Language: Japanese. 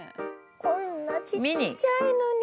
こんなちっちゃいのに。